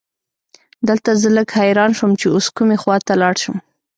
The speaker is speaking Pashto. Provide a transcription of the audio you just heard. دلته زه لږ حیران شوم چې اوس کومې خواته لاړ شم.